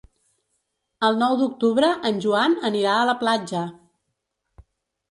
El nou d'octubre en Joan anirà a la platja.